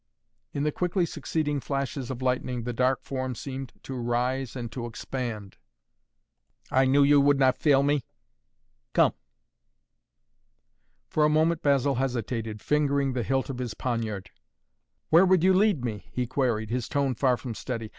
In the quickly succeeding flashes of lightning the dark form seemed to rise and to expand. "I knew you would not fail me! Come!" For a moment Basil hesitated, fingering the hilt of his poniard. "Where would you lead me?" he queried, his tone far from steady.